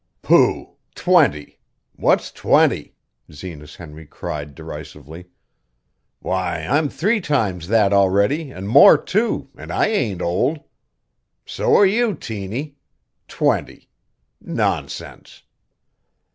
"Pooh! Twenty! What's twenty?" Zenas Henry cried derisively. "Why, I'm three times that already an' more too, an' I ain't old. So are you, Tiny. Twenty? Nonsense!"